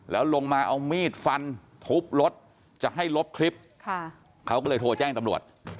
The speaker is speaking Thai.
แล้วลงมาเอามีดฟันทุบรถจะให้ลบคลิปเขาก็เลยโทรแจ้งตำรวจ